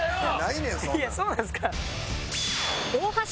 いやそうなんですか？